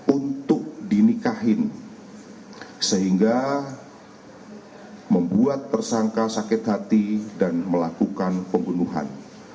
untuk dinikahin sehingga membuat tersangka sakit hati dan melakukan pembunuhan